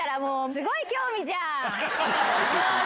すごい興味じゃん！